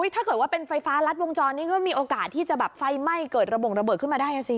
ถ้าเกิดว่าเป็นไฟฟ้ารัดวงจรนี่ก็มีโอกาสที่จะแบบไฟไหม้เกิดระบงระเบิดขึ้นมาได้สิ